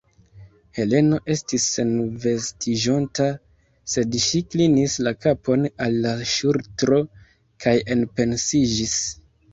Heleno estis senvestiĝonta, sed ŝi klinis la kapon al la ŝultro kaj enpensiĝis.